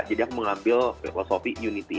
jadi aku mengambil filosofi unity